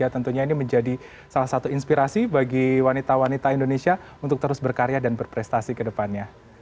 tentunya ini menjadi salah satu inspirasi bagi wanita wanita indonesia untuk terus berkarya dan berprestasi ke depannya